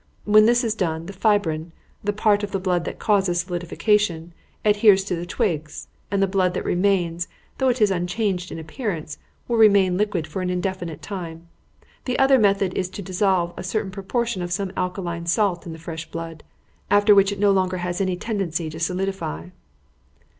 When this is done, the fibrin the part of the blood that causes solidification adheres to the twigs, and the blood that remains, though it is unchanged in appearance, will remain liquid for an indefinite time. The other method is to dissolve a certain proportion of some alkaline salt in the fresh blood, after which it no longer has any tendency to solidify."